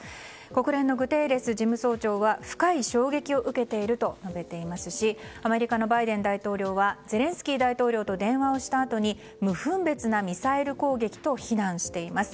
国連のグテーレス事務総長は深い衝撃を受けていると述べていますしアメリカのバイデン大統領はゼレンスキー大統領と電話をしたあとに無分別なミサイル攻撃と非難しています。